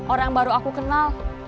orang baru aku kenal